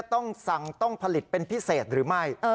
ต้องสั่งต้องผลิตเป็นพิเศษหรือไม่